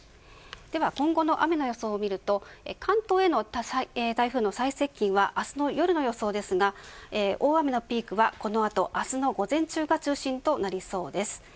では今後の雨の予想を見ると、関東への台風の最接近は明日の夜の予想ですが大雨のピークはこの後明日の午前中が中心となりそうです。